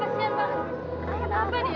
ibu bantu saya angkat dia